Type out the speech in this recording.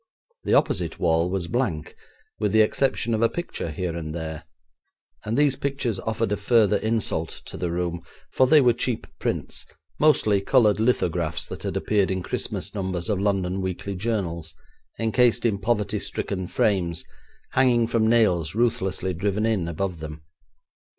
The opposite wall was blank, with the exception of a picture here and there, and these pictures offered a further insult to the room, for they were cheap prints, mostly coloured lithographs that had appeared in Christmas numbers of London weekly journals, encased in poverty stricken frames, hanging from nails ruthlessly driven in above them.